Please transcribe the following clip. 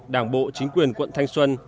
đảng bộ chính quyền quận thanh xuân